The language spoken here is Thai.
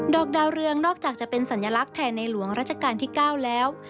อกดาวเรืองนอกจากจะเป็นสัญลักษณ์แทนในหลวงราชการที่๙แล้ว